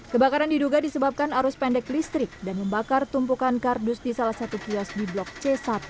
kebakaran diduga disebabkan arus pendek listrik dan membakar tumpukan kardus di salah satu kios di blok c satu